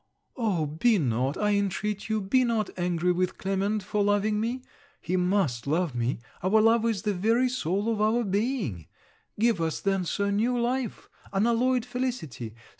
Oh be not, I intreat you, be not angry with Clement for loving me! He must love me. Our love is the very soul of our being. Give us then, Sir, new life! Unalloyed felicity!